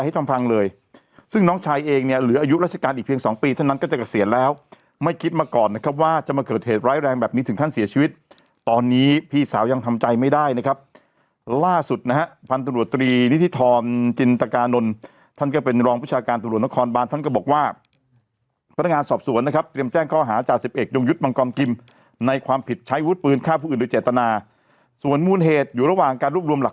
ตอนนี้พี่สาวยังทำใจไม่ได้นะครับล่าสุดนะฮะพันตรวจตรีนิทธิธรรมจินตกานนท์ท่านก็เป็นรองพุชาการตรวจนครบานท่านก็บอกว่าพนักงานสอบสวนนะครับเตรียมแจ้งข้ออาจารย์สิบเอกยงยุทธ์บังกลอมกิมในความผิดใช้วุฒิปืนฆ่าผู้อื่นหรือเจตนาส่วนมูลเหตุอยู่ระหว่างการรวบรวมหลัก